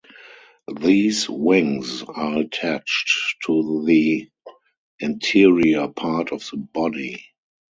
These "wings" are attached to the anterior part of the body.